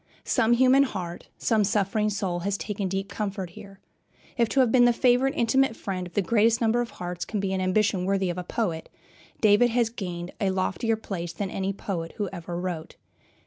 Some human heart, some suffering soul, has taken deep comfort here. If to have been the favorite, intimate friend of the greatest number of hearts be an ambition worthy of a poet, David has gained a loftier place than any poet who ever wrote.